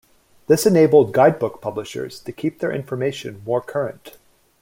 This enabled guidebook publishers to keep their information more current.